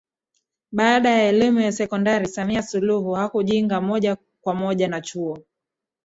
Baada ya elimu ya Sekondari Samia Suluhu hakujinga moja kwa moja na Chuo